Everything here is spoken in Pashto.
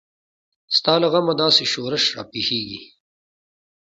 ستا له غمه داسې شورش راپېښیږي.